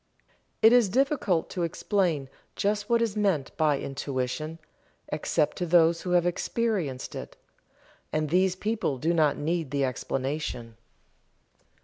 It is difficult to explain just what is meant by Intuition, except to those who have experienced it and these people do not need the explanation.